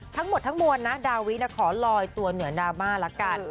ทั้งหมดทั้งมวลนะดาวิขอลอยตัวเหนือดราม่าละกัน